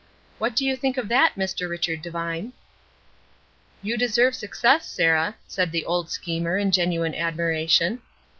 What do you think of that, Mr. Richard Devine?" "You deserve success, Sarah," said the old schemer, in genuine admiration.